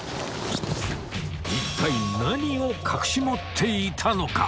一体何を隠し持っていたのか？